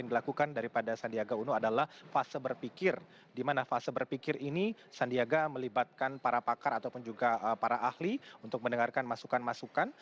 yang dilakukan daripada sandiaga uno adalah fase berpikir di mana fase berpikir ini sandiaga melibatkan para pakar ataupun juga para ahli untuk mendengarkan masukan masukan